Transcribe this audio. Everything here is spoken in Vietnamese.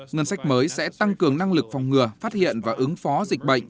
ngân sách mới sẽ tăng cường năng lực phòng ngừa phát hiện và ứng phó dịch bệnh